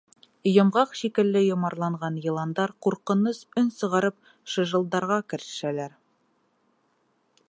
Йомғаҡ шикелле йомарланған йыландар, ҡурҡыныс өн сығарып, шыжылдарға керешәләр.